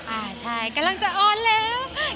อ่าใช่กำลังจะออนแล้ว